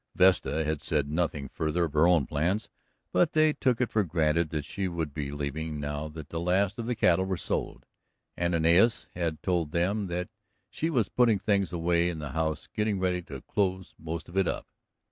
Vesta had said nothing further of her own plans, but they took it for granted that she would be leaving, now that the last of the cattle were sold. Ananias had told them that she was putting things away in the house, getting ready to close most of it up.